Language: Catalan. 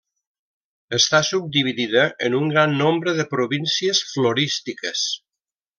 Està subdividida en un gran nombre de províncies florístiques.